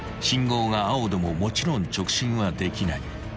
［信号が青でももちろん直進はできない］